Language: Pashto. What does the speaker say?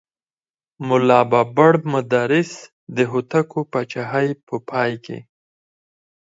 ملا بابړ مدرس د هوتکو پاچاهۍ په پای کې.